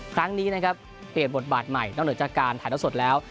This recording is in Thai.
ครั้งนี้นะครับเปลี่ยนบทบาทใหม่นอกเหนือจากการถ่ายเท่าสดแล้ว